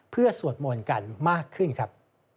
เพื่อสวดมนต์กันมากขึ้นครับ